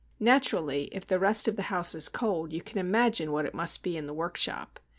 Naturally, if the rest of the house is cold, you can imagine what it must be in the workshop.